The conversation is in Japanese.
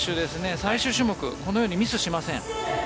最終種目はこのようにミスしません。